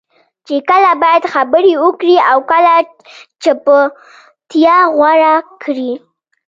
چې کله باید خبرې وکړې او کله چپتیا غوره کړې.